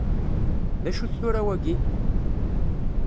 D acu-t tura wagi?